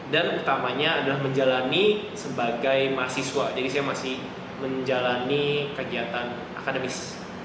dan utamanya adalah menjalani sebagai mahasiswa jadi saya masih menjalani kegiatan akademis